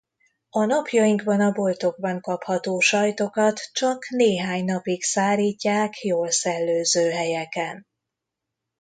A napjainkban a boltokban kapható sajtokat csak néhány napig szárítják jól szellőző helyeken.